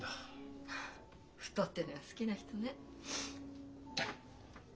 「ふと」ってのが好きな人ね。